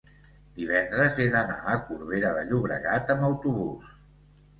divendres he d'anar a Corbera de Llobregat amb autobús.